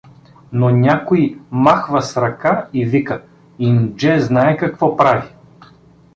Но някой махва с ръка и вика: „Индже знае какво прави.“